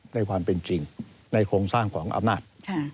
ในความเป็นจริงในโครงสร้างของอำนาจ